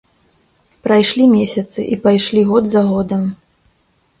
Прайшлі месяцы, і пайшлі год за годам.